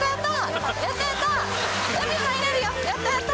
やった、やった。